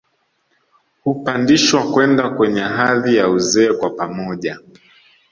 Hupandishwa kwenda kwenye hadhi ya uzee kwa pamoja